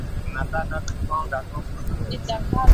njia kuu ya kuenea kwa ukimwi ulimwenguni ni kujamiiana